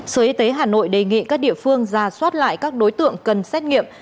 sở y tế hà nội đề nghị các địa phương ra soát lại các đối tượng cần xét nghiệm